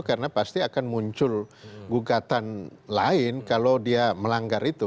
karena pasti akan muncul gugatan lain kalau dia melanggar itu